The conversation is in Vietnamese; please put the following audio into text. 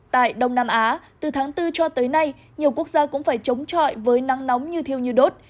tại đông nam á từ tháng bốn cho tới nay nhiều quốc gia cũng phải chống trọi với nắng nóng như thiêu như đốt